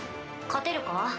勝てるか？